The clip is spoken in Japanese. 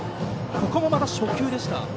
ここもまた初球でした。